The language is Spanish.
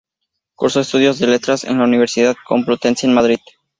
Cursó estudios de Letras en la Universidad Complutense de Madrid.